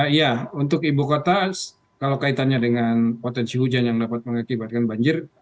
iya untuk ibu kota kalau kaitannya dengan potensi hujan yang dapat mengakibatkan banjir